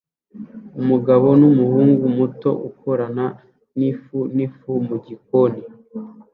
Umugabo numuhungu muto ukorana nifu nifu mugikoni